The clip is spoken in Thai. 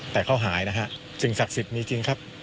แต่เขาหายนะฮะสิ่งศักดิ์สิทธิ์มีจริงครับ